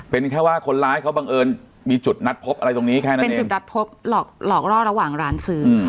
เป็นแค่ว่าคนร้ายเขาบังเอิญมีจุดนัดพบอะไรตรงนี้แค่นั้นเป็นจุดนัดพบหลอกหลอกล่อระหว่างร้านซื้อ